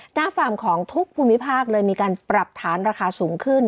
ฟาร์มของทุกภูมิภาคเลยมีการปรับฐานราคาสูงขึ้น